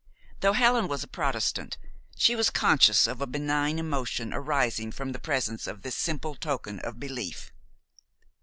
Though Helen was a Protestant, she was conscious of a benign emotion arising from the presence of this simple token of belief.